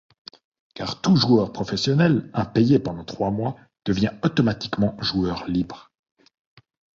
Car tout joueur professionnel, impayé pendant trois mois, devient automatiquement joueur libre.